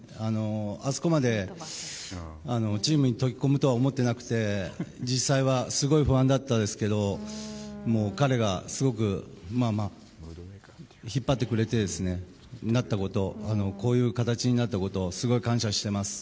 あそこまでチームに溶け込むとは思ってなくて実際はすごい不安だったですけど彼がすごく引っ張ってくれてこういう形になったことをすごく感謝しています。